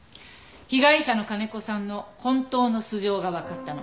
被害者の金子さんの本当の素性がわかったの。